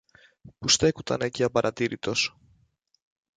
που στέκουνταν εκεί απαρατήρητος.